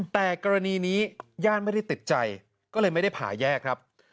แต่กรณีนี้ญาติไม่ได้ติดใจก็เลยไม่ได้ผ่าแยกครับ